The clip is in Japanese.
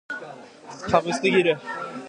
寒すぎる